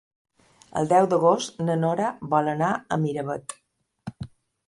El deu d'agost na Nora vol anar a Miravet.